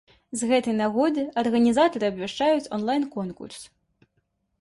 З гэтай нагоды арганізатары абвяшчаюць онлайн-конкурс.